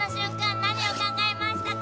何を考えましたか？